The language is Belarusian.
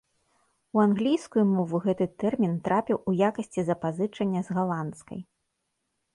У англійскую мову гэты тэрмін трапіў у якасці запазычання з галандскай.